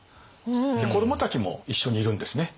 子どもたちも一緒にいるんですね。